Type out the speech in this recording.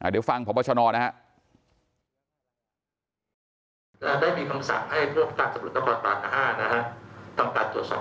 เดี๋ยวฟังพบชนนะครับ